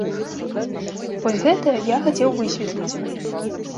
Вось гэта я хацеў высветліць.